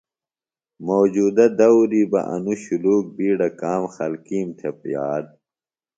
موجودہ دوری بہ انوۡ شُلوک بیڈہ کام خلکیم تھےۡ یاد